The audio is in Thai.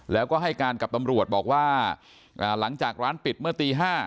แล้วก็ให้การกับตำรวจบอกว่าหลังจากร้านปิดเมื่อตี๕